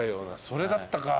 それだったか。